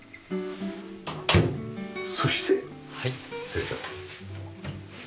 そして失礼します。